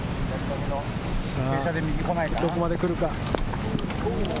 どこまでくるか？